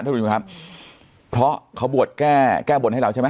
ทุกคนค่ะเพราะเขาบวชแก้แก้บวชให้เราใช่ไหม